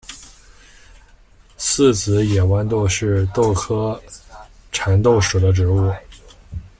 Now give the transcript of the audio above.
四籽野豌豆是豆科蚕豆属的植物。